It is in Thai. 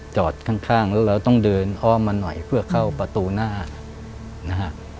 จอดข้างแล้วเราต้องเดินเคาะมาหน่อยเพื่อเข้าประตูหน้านะฮะ